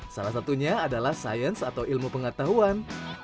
salah satunya adalah sains atau ilmu pengetahuan